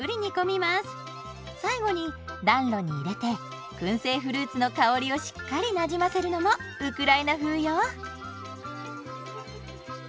最後に暖炉に入れてくん製フルーツの香りをしっかりなじませるのもウクライナ風よ。